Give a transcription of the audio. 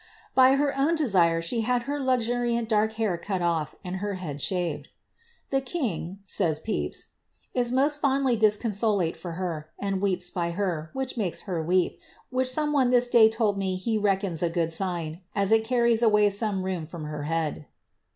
By her own desire she had her luxuriant dark hair cut off*, and her head shaved. ^ The king,'' says Pepys, ^ is most fondly disconsolate for her, and weeps by her, which makes her weep, which some one this day told me he reckons a good sign, as it carries away some rheum from her head.''